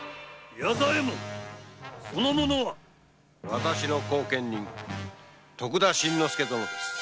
私の後見人徳田新之助殿です。